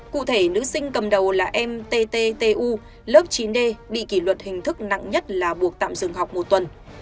cụ thể nữ sinh cầm đầu là em ttu lớp chín d bị kỷ luật hình thức nặng nhất là buộc tạm dừng học một tuần